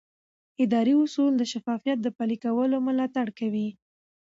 اداري اصول د شفافیت د پلي کولو ملاتړ کوي.